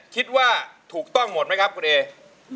คิดว่าถูกต้องหมดไหมครับคุณเอ